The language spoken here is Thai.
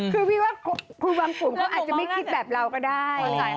คือพี่ว่าคือบางกลุ่มเขาอาจจะไม่คิดแบบเราก็ได้